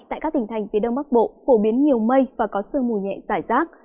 tại các tỉnh thành phía đông bắc bộ phổ biến nhiều mây và có sơ mù nhẹ tải rác